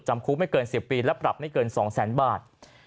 จำคุกไม่เกิน๑๐ปีและปรับไม่เกิน๒แสนบาท